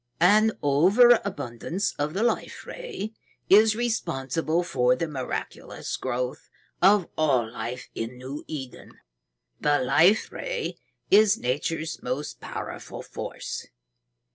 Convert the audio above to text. "An overabundance of the Life Ray is responsible for the miraculous growth of all life in New Eden. The Life Ray is Nature's most powerful force.